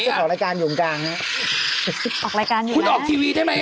จะออกรายการอยว่างกลางนี้ดรรดรร